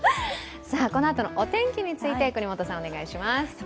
このあとのお天気について國本さん、お願いします。